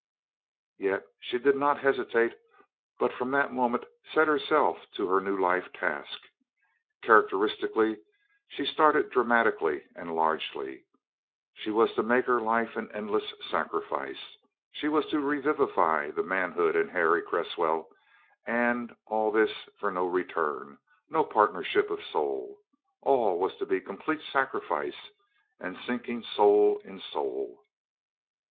Yet she did not hesitate but from that moment set herself to her new life task. Characteristically, she started dramatically and largely. She was to make her life an endless sacrifice; she was to revivify the manhood in Harry Cresswell, and all this for no return, no partnership of soul all was to be complete sacrifice and sinking soul in soul.